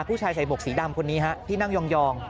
ผู้ชายใส่หมวกสีดำคนนี้ฮะที่นั่งยอง